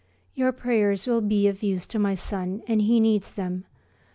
Your prayers will be of use to my son and he needs them.